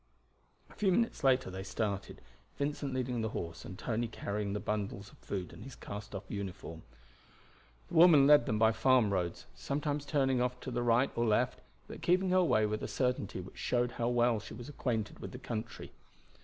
A few minutes later they started, Vincent leading the horse and Tony carrying the bundle of food and his castoff uniform. The woman led them by farm roads, sometimes turning off to the right or left, but keeping her way with a certainty which showed how well she was acquainted with the country.